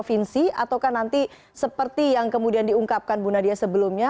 akan ke enam provinsi atau kan nanti seperti yang kemudian diungkapkan bu nadia sebelumnya